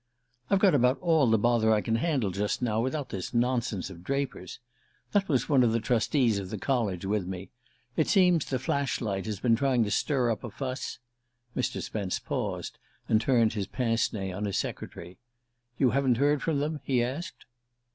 "I've got about all the bother I can handle just now, without this nonsense of Draper's. That was one of the Trustees of the College with me. It seems the Flashlight has been trying to stir up a fuss " Mr. Spence paused, and turned his pince nez on his secretary. "You haven't heard from them?" he asked.